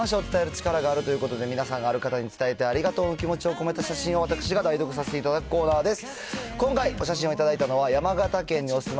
写真には感謝を伝える力があるということで、皆さんがある方に伝えたいありがとうを込めた写真を、私が代読させていただくコーナーです。